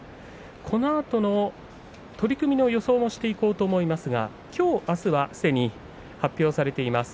このあとの取組の予想をしていこうと思いますがきょう、あすはすでに発表されています